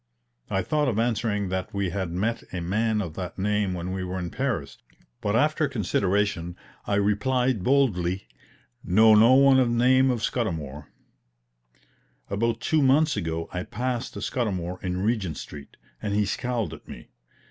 I thought of answering that we had met a man of that name when we were in Paris; but after consideration, I replied boldly: "Know no one of name of Scudamour." About two months ago I passed Scudamour in Regent Street, and he scowled at me.